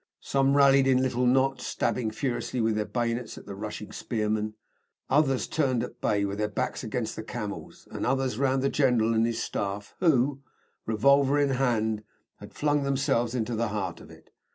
Some rallied in little knots, stabbing furiously with their bayonets at the rushing spearmen. Others turned at bay with their backs against the camels, and others round the general and his staff, who, revolver in hand, had flung themselves into the heart of it.